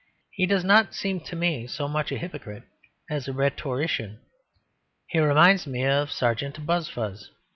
He does not seem to me so much a hypocrite as a rhetorician; he reminds me of Serjeant Buzfuz.